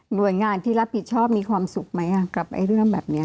หน่วยงานที่รับผิดชอบมีความสุขไหมกับเรื่องแบบนี้